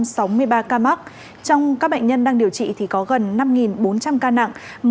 trong các bệnh nhân đang điều trị thì có gần năm bốn trăm linh ca nặng